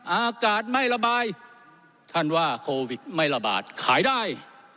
อากาศไม่ระบายท่านว่าโควิดไม่ระบาดขายได้